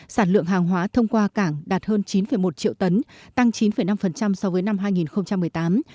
sản lượng hàng hóa thông qua cảng đạt hơn chín một triệu tấn tăng chín năm so với năm hai nghìn một mươi tám